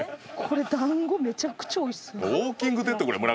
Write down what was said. これ団子めちゃくちゃおいしそう。